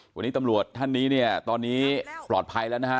วันนี้ตำรวจท่านนี้เนี่ยตอนนี้ปลอดภัยแล้วนะฮะ